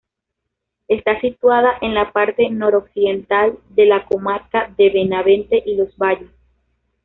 Está situada en la parte noroccidental de la comarca de Benavente y Los Valles.